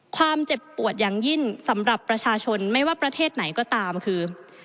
ความเจ็บปวดอย่างยิ่งสำหรับประชาชนไม่ว่าประเทศไหนก็ตามคือ